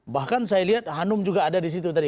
bahkan saya lihat hanum juga ada di situ tadi